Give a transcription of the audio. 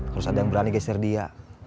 terus ada yang berani geser dia